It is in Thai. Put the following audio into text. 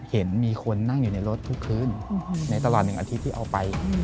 เห็นมีคนนั่งอยู่ในรถทุกคืนในตลอด๑อาทิตย์ที่เอาไป